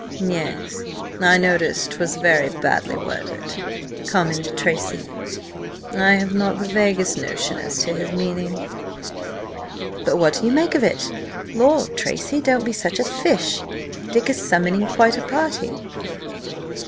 "Yes, I noticed 'twas very badly worded," commented Tracy. "I have not the vaguest notion as to his meaning." "But what do you make of it? Lord, Tracy, don't be such a fish! Dick is summoning quite a party!"